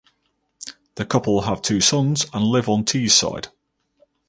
The couple have two sons and live on Teesside.